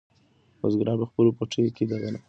بزګران په خپلو پټیو کې د غنمو تخمونه شیندي.